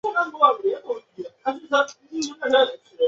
此后该家族继承人一直被中央政府封为辅国公或台吉爵位。